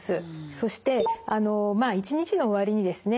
そしてまあ一日の終わりにですね